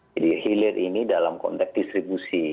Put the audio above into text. jadi hilir ini dalam konteks distribusi